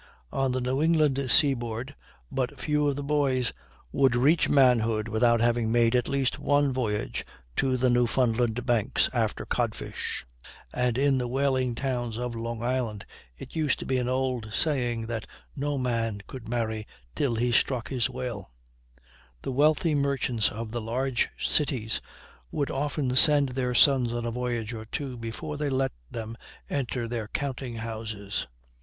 On the New England seaboard but few of the boys would reach manhood without having made at least one voyage to the Newfoundland Banks after codfish; and in the whaling towns of Long Island it used to be an old saying that no man could marry till he struck his whale. The wealthy merchants of the large cities would often send their sons on a voyage or two before they let them enter their counting houses.